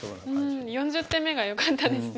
４０手目がよかったですね。